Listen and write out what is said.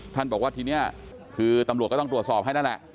บอกว่าทีนี้คือตำรวจก็ต้องตรวจสอบให้นั่นแหละ